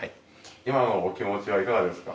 今のお気持ちはいかがですか？